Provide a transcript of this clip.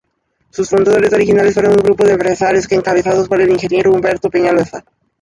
Sus fundadores originales fueron un grupo de empresarios encabezados por el ingeniero Humberto Peñaloza.